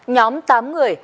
nhóm tám người